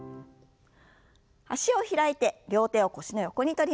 脚を開いて両手を腰の横に取りましょう。